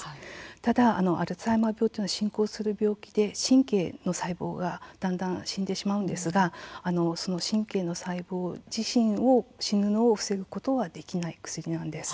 ただアルツハイマー病は進行する病気で神経の細胞がだんだん死んでしまうんですがその神経の細胞自身が死ぬのを防ぐことはできない薬なんです。